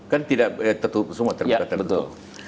kan tidak semua tertutup